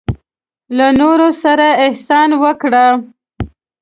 له نورو سره احسان وکړه.